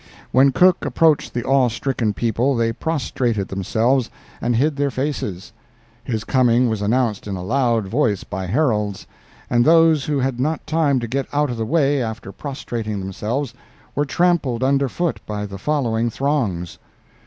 When Cook approached the awe stricken people, they prostrated themselves and hid their faces. His coming was announced in a loud voice by heralds, and those who had not time to get out of the way after prostrating themselves, were trampled under foot by the following throngs.